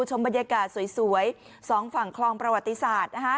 ชมบรรยากาศสวยสองฝั่งคลองประวัติศาสตร์นะฮะ